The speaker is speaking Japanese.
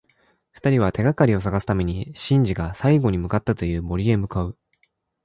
二人は、手がかりを探すためシンジが最後に向かったという森へ向かう。